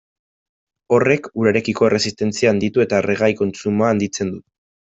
Horrek urarekiko erresistentzia handitu eta erregai kontsumoa handitzen du.